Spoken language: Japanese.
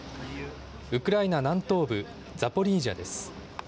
ウクライナ南東部ザポリージャです。